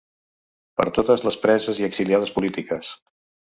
Per totes les preses i exiliades polítiques.